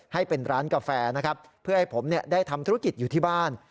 ให้เป็นร้านกาแฟนะครับเพื่อให้ผมได้ทำธุรกิจอยู่ที่บ้าน